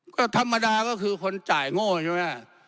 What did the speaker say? ก็ธรรมดาก็คือคนจ่ายโง่ใช่ไหม